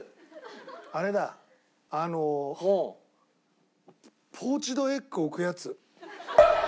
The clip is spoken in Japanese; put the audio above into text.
あれだあのポーチドエッグ置くやつ。